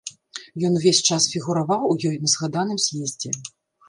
Ён увесь час фігураваў у ёй на згаданым з'ездзе.